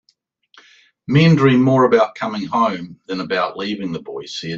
"Men dream more about coming home than about leaving," the boy said.